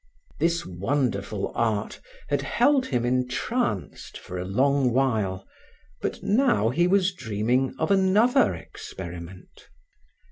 This wonderful art had held him entranced for a long while, but now he was dreaming of another experiment.